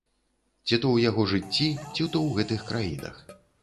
Ці то ў яго жыцці, ці то ў гэтых краінах.